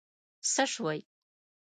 څه شوي؟